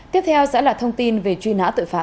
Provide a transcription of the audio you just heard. tiếp theo sẽ là thông tin về truy nã tội phạm